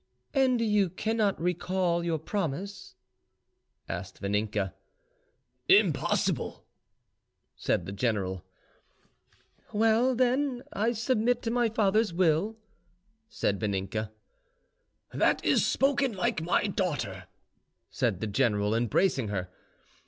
"And you cannot recall your promise?" asked Vaninka. "Impossible," said the general. "Well, then, I submit to my father's will," said Vaninka. "That is spoken like my daughter," said the general, embracing her.